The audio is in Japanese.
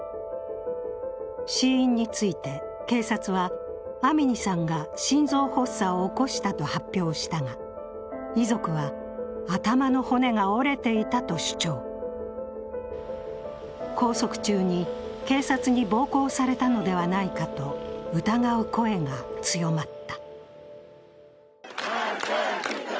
死因について、警察はアミニさんが心臓発作を起こしたと発表したが、遺族は、頭の骨が折れていたと主張拘束中に、警察に暴行されたのではないかと疑う声が強まった。